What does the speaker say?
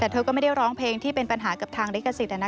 แต่เธอก็ไม่ได้ร้องเพลงที่เป็นปัญหากับทางลิขสิทธิ์